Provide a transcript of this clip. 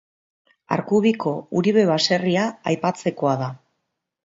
Arku biko Uribe baserria aipatzekoa da.